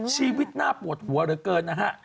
ชีวิตน่าปวดหัวเหลือเกินนะฮะ